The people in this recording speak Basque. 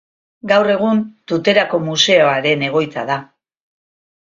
Gaur egun Tuterako museoaren egoitza da.